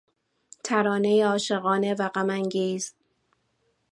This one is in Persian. ترانهی عاشقانه و غم انگیز